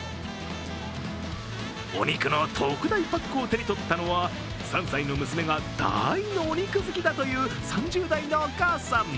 お肉の特大パックを手に取ったのは３歳の娘が大のお肉好きだという３０代のお母さん。